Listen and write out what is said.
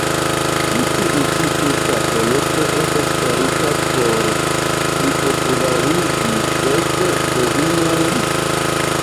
Ĉu tiu ĉi tuta projekto estas farita por plipopularigi Dek Bovinojn?